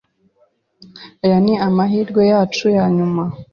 Aya ni amahirwe yacu yanyuma.